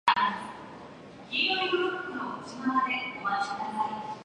The novel takes place during summer.